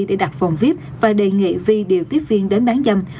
để đặt phòng vip và đề nghị vi điều tiếp viên đến bán dâm